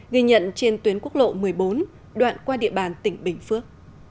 ghi nhận trên tuyến quốc lộ một mươi bốn đoạn qua địa bàn tỉnh bình phước